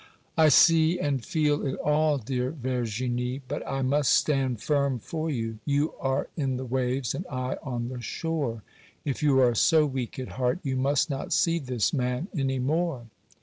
'I see and feel it all, dear Verginie, but I must stand firm for you. You are in the waves, and I on the shore. If you are so weak at heart, you must not see this man any more.